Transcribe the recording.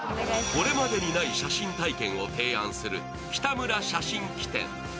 これまでにない写真体験を提案する北村写真機店。